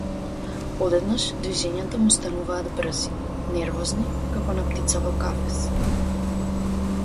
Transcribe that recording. Одеднаш движењата му стануваат брзи, нервозни, како на птица во кафез.